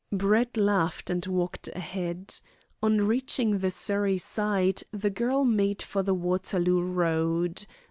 Brett laughed and walked ahead. On reaching the Surrey side the girl made for the Waterloo Road.